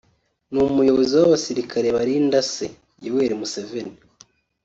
ni umuyobozi w’abasirikare barinda se ( Yoweli Museveni)